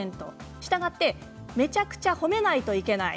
したがって、めちゃくちゃ褒めないといけない。